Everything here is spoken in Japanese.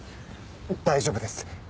大丈夫です。